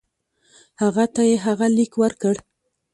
هغه ته یې هغه لیک ورکړ.